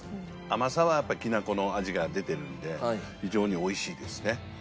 甘さはやっぱりきな粉の味が出てるんで非常に美味しいですね。